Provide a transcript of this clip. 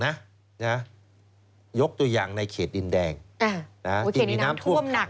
อุ๊ยเขตดินน้ำท่วมหนักมาก